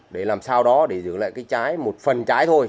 để làm sao đó để giữ lại cái trái một phần trái thôi